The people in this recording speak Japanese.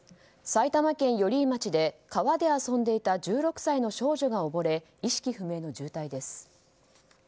埼玉県寄居町で川で遊んでいた１６歳の少女が溺れ意識不明の重体です。